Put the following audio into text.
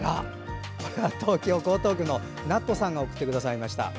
東京都江東区のＮａｔさんが送ってくださいました。